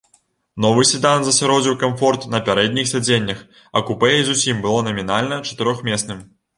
Новы седан засяродзіў камфорт на пярэдніх сядзеннях, а купэ і зусім было намінальна чатырохмесным.